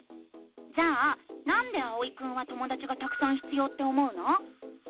じゃあ「なんで」あおいくんはともだちがたくさん必要って思うの？